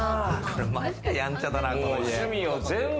マジでやんちゃだな、この家。